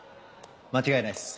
間違いないっす。